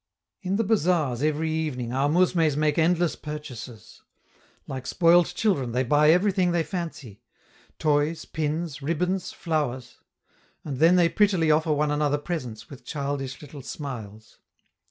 In the bazaars every evening our mousmes make endless purchases; like spoiled children they buy everything they fancy: toys, pins, ribbons, flowers. And then they prettily offer one another presents, with childish little smiles.